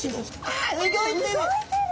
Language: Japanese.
あうギョいてる！